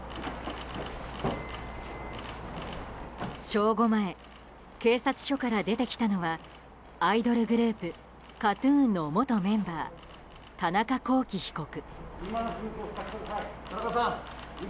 正午前警察署から出てきたのはアイドルグループＫＡＴ‐ＴＵＮの元メンバー田中聖被告。